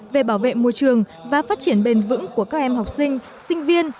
về bảo vệ môi trường và phát triển bền vững của các em học sinh sinh viên